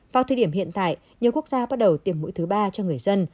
vào thời điểm hiện tại nhiều quốc gia bắt đầu tiêm mũi thứ ba cho người dân